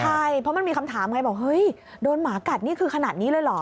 ใช่เพราะมันมีคำถามไงบอกเฮ้ยโดนหมากัดนี่คือขนาดนี้เลยเหรอ